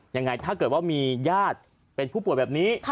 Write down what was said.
ยังไงถ้าเกิดว่ามีญาติเป็นผู้ป่วยแบบนี้